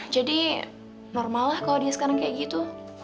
jadi normal lah kalau dia sekarang kayak gitu